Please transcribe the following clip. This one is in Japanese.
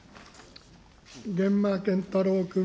源馬謙太郎君。